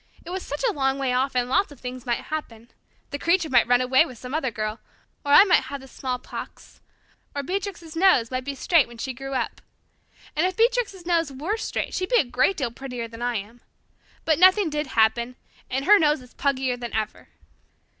It was such a long way off and lots of things might happen. The Creature might run away with some other girl or I might have the smallpox or Beatrix's nose might be straight when she grew up. And if Beatrix's nose were straight she'd be a great deal prettier than I am. But nothing did happen and her nose is puggier than ever.